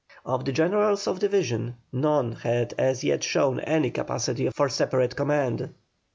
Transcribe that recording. Of the generals of division, none had as yet shown any capacity for separate command.